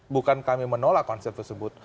bukan kami menolak konsep tersebut